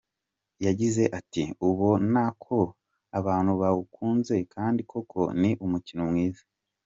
Yagize ati “Ubona ko abantu bawukunze kandi koko ni umukino mwiza.